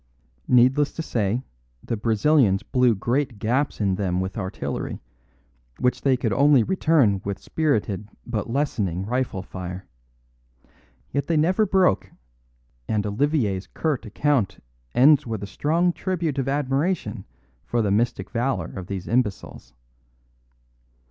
Needless to say, the Brazilians blew great gaps in them with artillery, which they could only return with spirited but lessening rifle fire. Yet they never broke; and Olivier's curt account ends with a strong tribute of admiration for the mystic valour of these imbeciles.